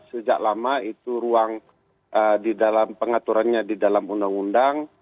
sejak lama itu ruang di dalam pengaturannya di dalam undang undang